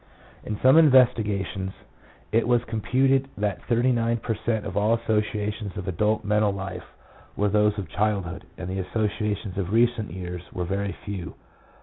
In some investigations, 1 it was computed that thirty nine per cent, of all associations of adult mental life were those of childhood, and the associations of recent years were very few.